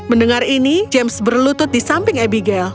mendengar ini james berlutut di samping abigail